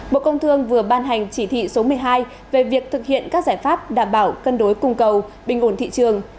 bộ công thương vừa ban hành chỉ thị số một mươi hai về việc thực hiện các giải pháp đảm bảo cân đối cung cầu bình ổn thị trường